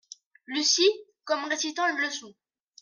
Lucie, comme récitant une leçon.